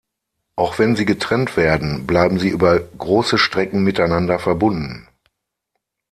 Auch wenn sie getrennt werden, bleiben sie über große Strecken miteinander verbunden.